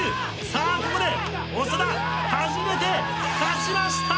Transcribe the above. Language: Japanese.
さあここで長田初めて勝ちました！